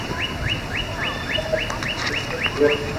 Da partidas vivas y abiertas.